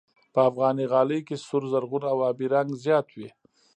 په افغاني غالۍ کې سور، زرغون او آبي رنګ زیات وي.